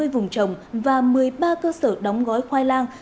hai mươi vùng trồng và một mươi ba cơ sở đóng gói khoai lang